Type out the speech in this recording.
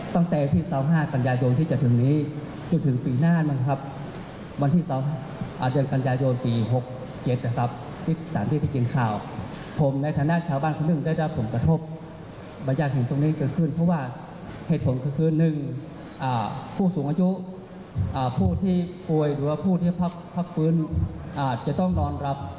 และสองผู้ที่ทำงานต่อกลางวันนะครับ